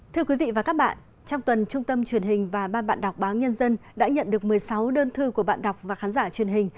thưa quý vị và các bạn trong tuần trung tâm truyền hình và ban bạn đọc báo nhân dân đã nhận được một mươi sáu đơn thư của bạn đọc và khán giả truyền hình